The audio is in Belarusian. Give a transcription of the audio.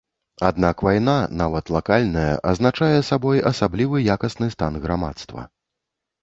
Аднак вайна, нават лакальная, азначае сабой асаблівы якасны стан грамадства.